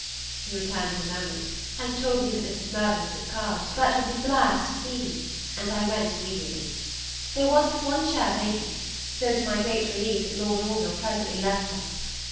He returned in a moment, and told me that Mrs. Mirvan was at cards, but would be glad to see me; and I went immediately. There was but one chair vacant; so, to my great relief, Lord Orville presently left us.